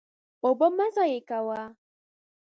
اوبه مه ضایع کوه.